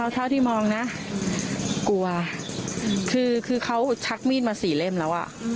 เท่าที่มองนะกลัวคือเขาชักมีดมา๔เล่มแล้ว